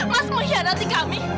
mas mengkhianati kami